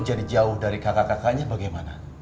jadi jauh dari kakak kakaknya bagaimana